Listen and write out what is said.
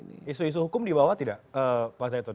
isu isu hukum dibawa tidak pak zaitun